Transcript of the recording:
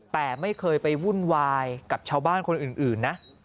แต่ไม่เคยไปวุ่นวายกับชาวบ้านคนอื่นนะ